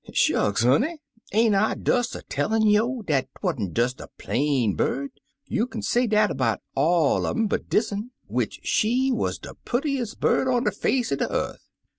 "Shucks, honey! ain't I des a tellin' yo' dat 'twa'n't des a plain bird; you kin say dat 'bout all un um but dis un, which she wuz de purtiest bird on de face er de yeth.